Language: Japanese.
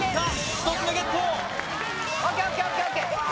１つ目ゲット！